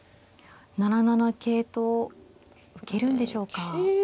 ７七桂と受けるんでしょうか。